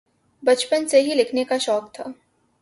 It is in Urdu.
بچپن ہی سے لکھنے کا شوق تھا۔